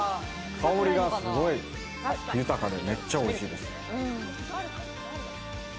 香りがすごい豊かで、めっちゃおいしいです。